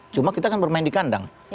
cuma kita kan bermain di kandang